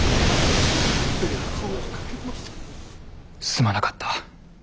すまなかった。